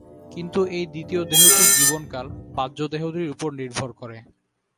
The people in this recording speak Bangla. কিন্তু এই দ্বিতীয় দেহটির জীবনকাল বাহ্যদেহটির উপর নির্ভর করে।